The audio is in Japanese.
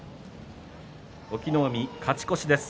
隠岐の海、勝ち越しです。